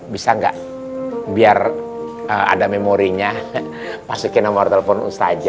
bisa gak biar ada memorinya pasukin nomor telepon ustaz jaya